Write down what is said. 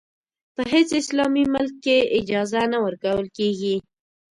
په هېڅ اسلامي ملک کې اجازه نه ورکول کېږي.